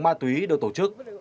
ma túy được tổ chức